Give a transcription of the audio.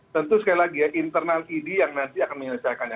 tentu sekali lagi ya internal idi yang nanti akan menyelesaikannya